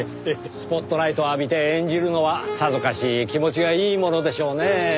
スポットライトを浴びて演じるのはさぞかし気持ちがいいものでしょうねぇ。